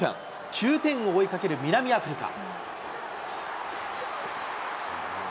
９点を追いかける南アフリカ。